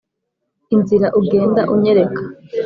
inzira ugenda unyereka